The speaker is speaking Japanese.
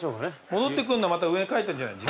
戻ってくるのはまた上に書いてあるんじゃない？